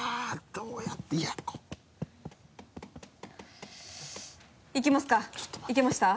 どうやっていやこれいきますかいけました？